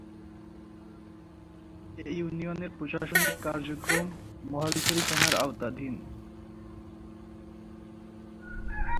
এ ইউনিয়নের প্রশাসনিক কার্যক্রম মহালছড়ি থানার আওতাধীন।